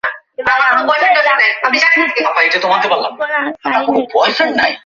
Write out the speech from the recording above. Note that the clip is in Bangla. তোমার বেতন ঠিক সময় পাঠানোর ব্যবস্থা করব।